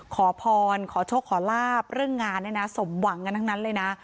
ขอพรขอโชคขอลาบเรื่องงานเนี่ยนะสมหวังกันทั้งนั้นเลยนะ